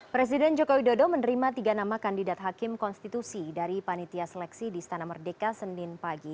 presiden jokowi dodo menerima tiga nama kandidat hakim konstitusi dari panitia seleksi di istana merdeka senin pagi